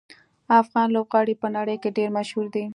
افغاني لوبغاړي په نړۍ کې ډېر مشهور دي.